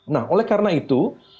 nah oleh karena itu